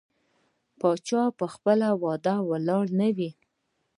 پاچا په خپل وعدو ولاړ نه وي.